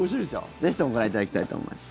ぜひともご覧いただきたいと思います。